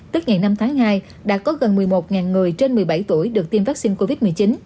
tức ngày năm tháng hai đã có gần một mươi một người trên một mươi bảy tuổi được tiêm vaccine covid một mươi chín